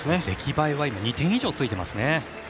出来栄えは２点以上ついていますね。